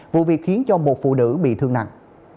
vụ việc khiến một phụ nữ bị thương nặng